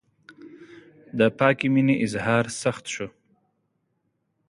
د پاکې مینې اظهار سخت شو.